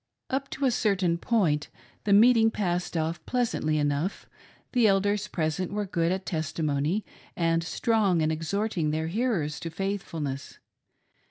Up to a Certain point, the meeting passed off pleasantly enough — the Elders present were "good at testimony" and strong in exhorting their hearers to faithfulness.